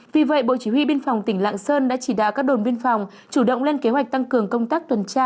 vì vậy bộ chỉ huy biên phòng tỉnh lạng sơn đã chỉ đạo các đồn biên phòng chủ động lên kế hoạch tăng cường công tác tuần tra